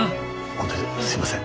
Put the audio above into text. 本当にすいません。